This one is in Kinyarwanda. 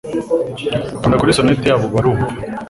Kanda kuri sonete yabo barumva